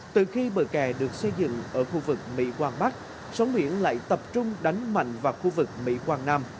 từ khi bờ kè được xây dựng ở khu vực mỹ quan bắc sóng biển lại tập trung đánh mạnh vào khu vực mỹ quan nam